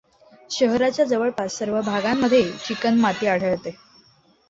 शहराच्या जवळपास सर्व भागांमध्ये चिकणमाती आढळते.